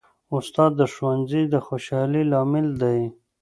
استاد د ښوونځي د خوشحالۍ لامل دی.